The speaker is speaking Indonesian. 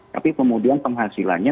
tapi kemudian penghasilannya